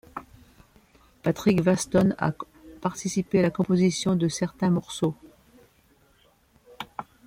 Patrick Watson a participé à la composition de certains morceaux.